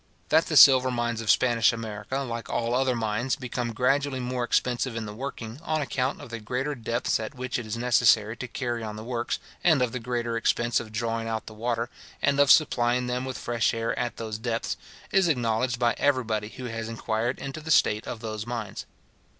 That the silver mines of Spanish America, like all other mines, become gradually more expensive in the working, on account of the greater depths at which it is necessary to carry on the works, and of the greater expense of drawing out the water, and of supplying them with fresh air at those depths, is acknowledged by everybody who has inquired into the state of those mines.